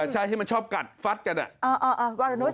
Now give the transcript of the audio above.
ใช่ที่มันชอบกัดฟัดกัน